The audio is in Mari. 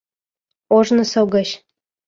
— Ожнысо гыч.